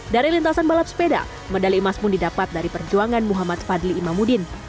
dari lintasan balap sepeda medali emas pun didapat dari perjuangan muhammad fadli imamudin